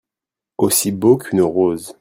Aussi beau qu'une rose.